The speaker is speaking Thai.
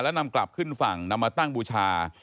แล้วนำกลับขึ้นฝั่งนำมาตั้งบูชา